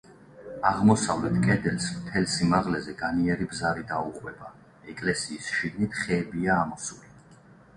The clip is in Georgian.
აღმოსავლეთ კედელს მთელ სიმაღლეზე განიერი ბზარი დაუყვება; ეკლესიის შიგნით ხეებია ამოსული.